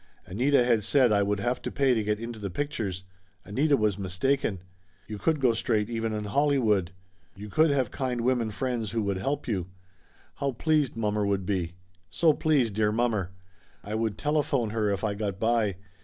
Anita had said I would have to pay to get into the pictures. Anita was mistaken. You could go straight, even in Holly wood. You could have kind women friends who would help you. How pleased mommer would be. So pleased, dear mommer! I would telephone her if I got by.